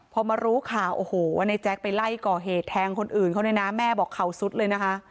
พอมารู้ข่าวโอ้โหว่าในแจ๊คไปไล่ก่อเหตุแทงคนอื่นเขาเลยนะแม่บอกเขาสุดเลยนะคะ